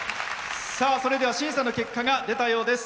それでは審査の結果が出たようです。